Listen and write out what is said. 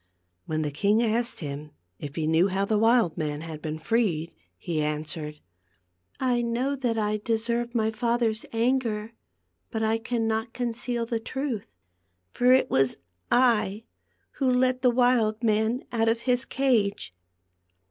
When the king asked him if he knew how the wild man had been freed, he an swered :" I know that I deserve my father's anger, but I cannot conceal the truth ; for it was I who let the wild man out of his cage."